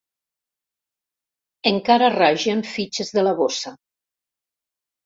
Encara ragen fitxes de la bossa.